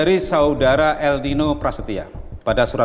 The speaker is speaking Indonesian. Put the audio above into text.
atau kakek kakek percuma